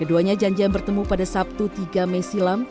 adalah sebuah perjanjian yang bertemu pada sabtu tiga mei silam